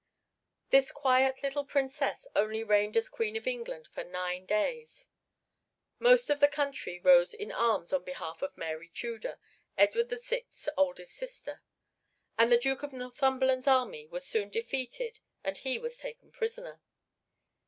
This quiet little Princess only reigned as Queen of England for nine days. Most of the country rose in arms on behalf of Mary Tudor, Edward VI's oldest sister, and the Duke of Northumberland's army was soon defeated and he was taken prisoner.